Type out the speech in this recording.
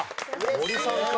森さんか。